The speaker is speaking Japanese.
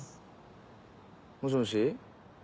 もしもし。